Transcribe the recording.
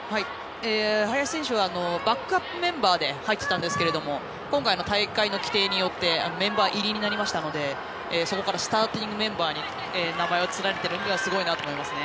林選手はバックアップメンバーで入ってたんですが今回の大会規定によりメンバー入りになったのでそこからスターティングメンバーに名を連ねているのがすごいなと思いますね。